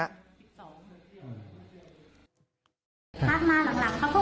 มาหลังเขาพูดหมกตัวให้ไปในห้อง